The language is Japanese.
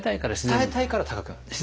伝えたいから高くなってる。